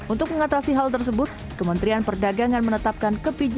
untuk mengatasi hal tersebut kementerian perdagangan menetapkan kebijakan